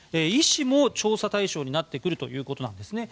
医師も調査対象になってくるということです。